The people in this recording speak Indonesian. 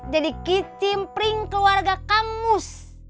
jadi kicimpring keluarga kang mus